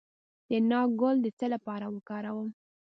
د ناک ګل د څه لپاره وکاروم؟